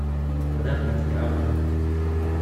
Rriɣ-ken deg uɛewwiq.